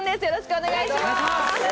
よろしくお願いします。